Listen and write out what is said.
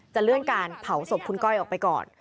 เลื่อนการเผาศพคุณก้อยออกไปก่อน